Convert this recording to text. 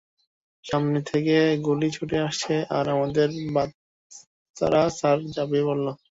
সামনে থেকে গুলি ছুটে আসছে আর আমাদের বাতরা স্যার ঝাপিয়ে পড়ল!